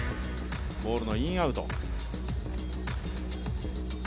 ボールのインアウト。